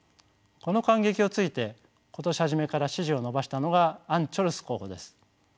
この間隙をついて今年初めから支持を伸ばしたのがアン・チョルス候補です。